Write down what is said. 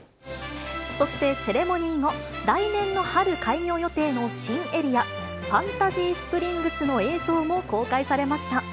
そしてセレモニー後、来年の春開業予定の新エリア、ファンタジースプリングスの映像も公開されました。